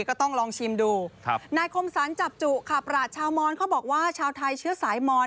ก็ต้องลองชิมดูครับนายคมสรรจับจุค่ะประหลาดชาวมอนเขาบอกว่าชาวไทยเชื้อสายมอน